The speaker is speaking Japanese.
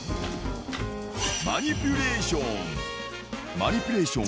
マニピュレーション。